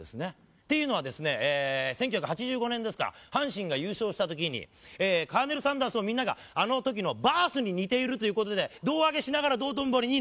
っていうのはですね１９８５年ですか阪神が優勝した時にカーネル・サンダースをみんながあの時のバースに似ているという事で胴上げしながら道頓堀に投げた。